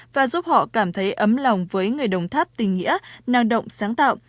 và giúp họ cảm thấy ấm lòng với người đồng tháp tình nghĩa năng động sáng tạo